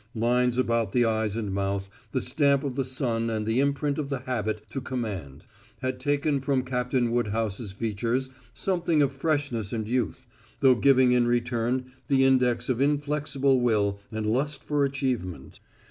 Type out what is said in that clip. Lines about the eyes and mouth the stamp of the sun and the imprint of the habit to command had taken from Captain Woodhouse's features something of freshness and youth, though giving in return the index of inflexible will and lust for achievement.